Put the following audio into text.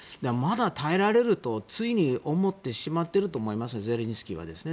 まだ耐えられるとついに思ってしまっていると思いますね、ゼレンスキーは。